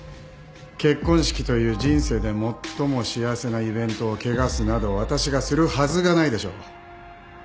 結婚式という人生で最も幸せなイベントを汚すなど私がするはずがないでしょう。